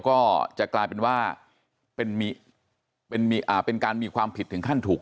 ก็จะกลายเป็นว่าเป็นการมีความผิดถึงขั้นถูก